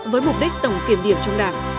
với mục đích tổng kiểm điểm trong đảng